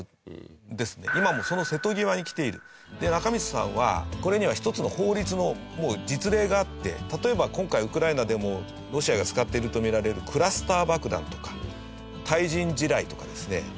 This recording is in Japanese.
中満さんはこれには一つの法律の実例があって例えば今回ウクライナでもロシアが使ってると見られるクラスター爆弾とか対人地雷とかですね